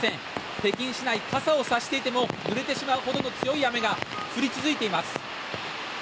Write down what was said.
北京市内、傘を差していてもぬれてしまうほどの強い雨が降り続いています。